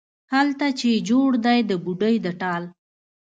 هلته چې جوړ دی د بوډۍ د ټال،